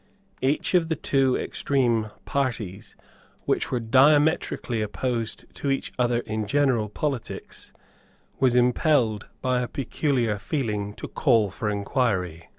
Each of the two extreme parties, which were diametrically opposed to each other in general politics, was impelled by a peculiar feeling to call for inquiry.